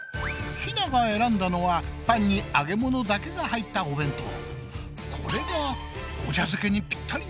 ひなが選んだのはパンにあげものだけが入ったお弁当。